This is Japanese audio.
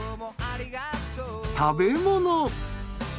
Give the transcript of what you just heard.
食べ物。